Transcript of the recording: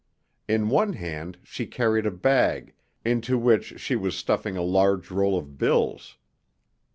In one hand she carried a bag, into which she was stuffing a large roll of bills.